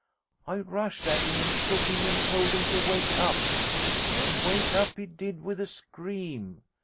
I rushed at him and shook him, and told him to wake up; and wake up he did, with a scream.